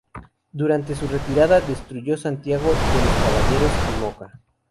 Durante su retirada destruyó Santiago de los Caballeros y Moca.